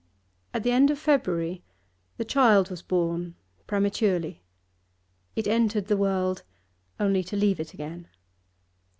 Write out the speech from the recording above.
At the end of February the child was born prematurely; it entered the world only to leave it again.